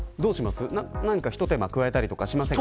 何かひと手間加えたりとかしませんか。